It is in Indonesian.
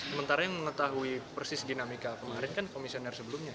sementara yang mengetahui persis dinamika kemarin kan komisioner sebelumnya